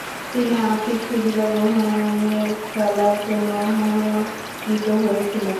তিনি আর্থিক সুবিধা গ্রহণের খেলার জন্যে মনোনীত হয়েছিলেন।